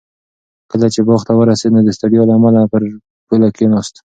کله چې باغ ته ورسېد نو د ستړیا له امله پر پوله کېناست.